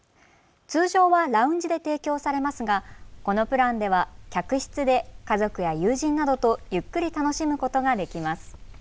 通常はラウンジで提供されますがこのプランでは客室で家族や友人などとゆっくり楽しむことができます。